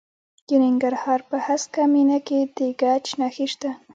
د ننګرهار په هسکه مینه کې د ګچ نښې شته.